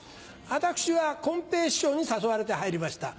私はこん平師匠に誘われて入りました。